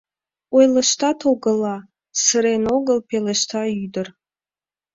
— Ойлыштат огыла! — сырен огыл пелешта ӱдыр.